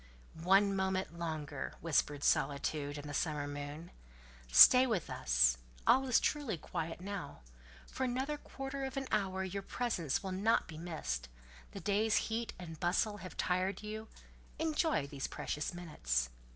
"One moment longer," whispered solitude and the summer moon, "stay with us: all is truly quiet now; for another quarter of an hour your presence will not be missed: the day's heat and bustle have tired you; enjoy these precious minutes."